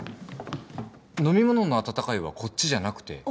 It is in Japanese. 飲み物の「あたたかい」はこっちじゃなくて。